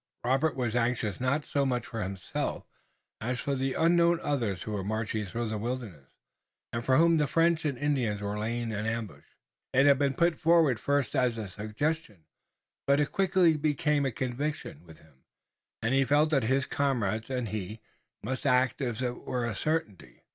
Robert was anxious not so much for himself as for the unknown others who were marching through the wilderness, and for whom the French and Indians were laying an ambush. It had been put forward first as a suggestion, but it quickly became a conviction with him, and he felt that his comrades and he must act as if it were a certainty.